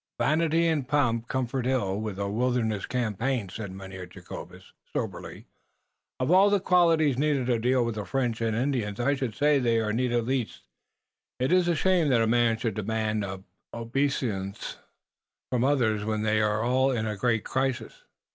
"Vanity and pomp comport ill with a wilderness campaign," said Mynheer Jacobus, soberly. "Of all the qualities needed to deal with the French und Indians I should say that they are needed least. It iss a shame that a man should demand obeisance from others when they are all in a great crisis."